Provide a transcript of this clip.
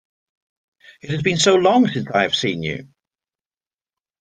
It has been so long since I have seen you!